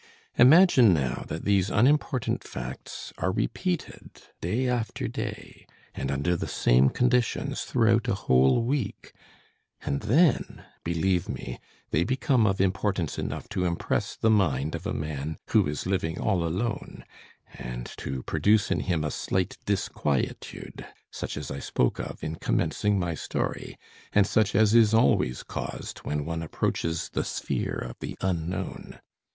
Imagine, now, that these unimportant facts are repeated day after day and under the same conditions throughout a whole week, and then, believe me, they become of importance enough to impress the mind of a man who is living all alone, and to produce in him a slight disquietude such as I spoke of in commencing my story, and such as is always caused when one approaches the sphere of the unknown.